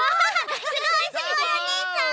すごいすごいおねえさん！